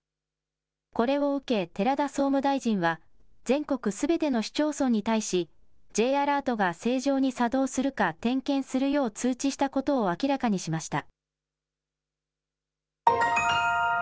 これを受け寺田総務大臣は全国すべての市町村に対しＪアラートが正常に作動するか点検するよう通知したことを明らかにしました。